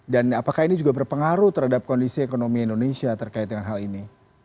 dan apakah ini juga berpengaruh terhadap kondisi ekonomi indonesia terkait dengan hal ini